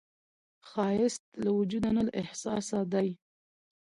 ښایست له وجوده نه، له احساسه دی